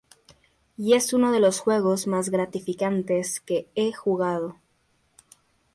Y es uno de los juegos más gratificantes que he jugado.